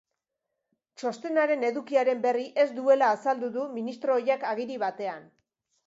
Txostenaren edukiaren berri ez duela azaldu du ministro ohiak agiri batean.